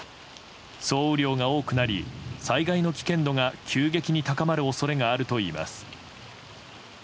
総雨量が多くなり災害の危険度が急激に高まる恐れがあるといいます。